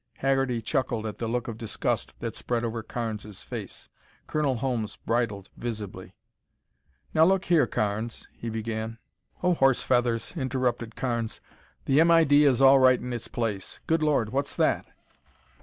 Haggerty chuckled at the look of disgust that spread over Carnes' face. Colonel Holmes bridled visibly. "Now look here, Carnes," he began. "Oh, horse feathers!" interrupted Carnes. "The M.I.D. is all right in its place Good Lord! What's that?"